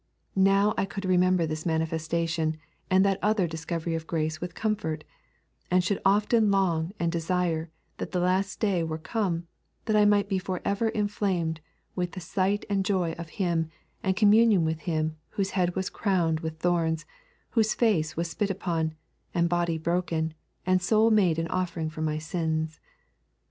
Now could I remember this manifestation and that other discovery of grace with comfort, and should often long and desire that the last day were come, that I might be for ever inflamed with the sight and joy of Him and communion with Him whose head was crowned with thorns, whose face was spit on, and body broken, and soul made an offering for my sins.